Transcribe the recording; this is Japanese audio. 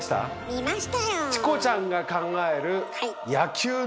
見ましたよ！